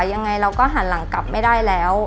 ยังไงเราก็หันหลังกลับไม่ได้แล้ว